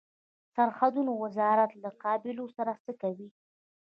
د سرحدونو وزارت له قبایلو سره څه کوي؟